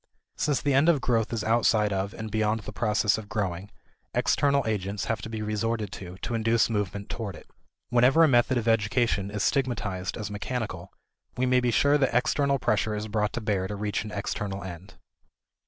Since the end of growth is outside of and beyond the process of growing, external agents have to be resorted to to induce movement toward it. Whenever a method of education is stigmatized as mechanical, we may be sure that external pressure is brought to bear to reach an external end.